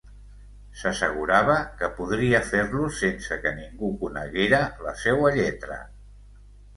S’assegurava que podria fer-los sense que ningú coneguera la seua lletra.